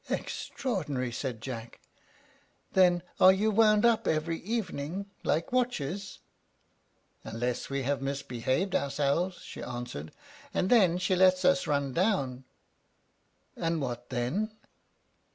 "Extraordinary!" said Jack. "Then are you wound up every evening, like watches?" "Unless we have misbehaved ourselves," she answered; "and then she lets us run down." "And what then?"